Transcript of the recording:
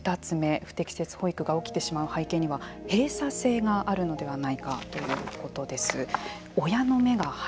不適切保育が起きてしまう背景には閉鎖性があるのではないかということです。